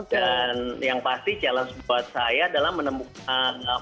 dan yang pasti challenge buat saya adalah menemukan